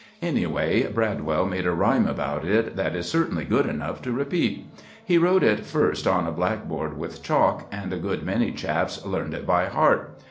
Anyway, Bradwell made a rhyme about it that is certainly good enough to repeat. He wrote it first on a black board with chalk, and a good many chaps learned it by heart.